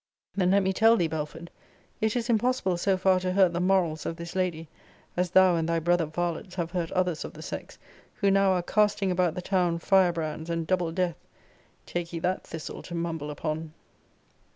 Then let me tell thee, Belford, it is impossible so far to hurt the morals of this lady, as thou and thy brother varlets have hurt others of the sex, who now are casting about the town firebrands and double death. Take ye that thistle to mumble upon.